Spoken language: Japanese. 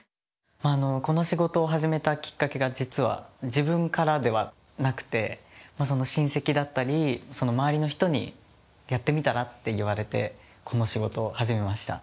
あのこの仕事を始めたきっかけが実は自分からではなくて親戚だったりその周りの人にやってみたらって言われてこの仕事を始めました。